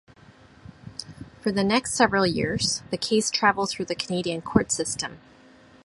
For the next several years, the case traveled through the Canadian court system.